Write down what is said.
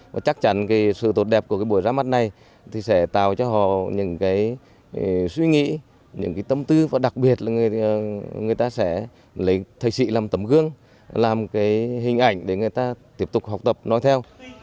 và chắc chắn sự tốt đẹp của buổi ra mắt này sẽ tạo cho họ những suy nghĩ những tâm tư và đặc biệt là người ta sẽ lấy thầy sĩ làm tấm gương làm hình ảnh để người ta tiếp tục học tập nói theo